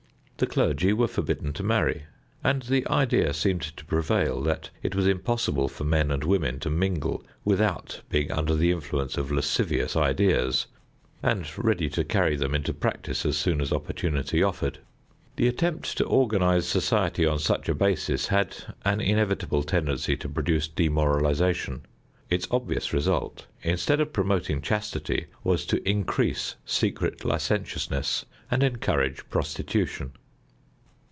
The clergy were forbidden to marry, and the idea seemed to prevail that it was impossible for men and women to mingle without being under the influence of lascivious ideas, and ready to carry them into practice as soon as opportunity offered. The attempt to organize society on such a basis had an inevitable tendency to produce demoralization. Its obvious result, instead of promoting chastity was to increase secret licentiousness and encourage prostitution.